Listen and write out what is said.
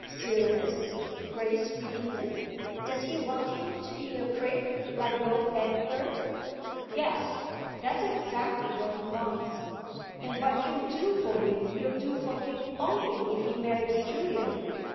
"Serious?" Grace repeated. "Does he want him to be a prig like Lord Egbert?" "Yes that's exactly what he wants. And what he'll do for him he'll do for him only if he marries Julia."